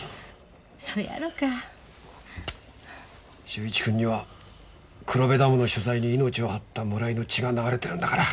秀一くんには黒部ダムの取材に命を張った村井の血が流れてるんだから。